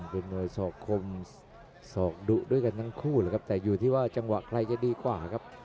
เป็นมวยสอกคมสอกดุด้วยกันทั้งคู่เลยครับแต่อยู่ที่ว่าจังหวะใครจะดีกว่าครับ